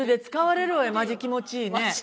「マジ気持ちぃ！」ね。